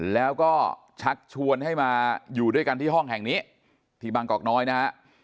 แล้วก็ชักชวนให้มาอยู่ด้วยกันที่ห้องแห่งนี้ที่บางกอกน้อยนะฮะ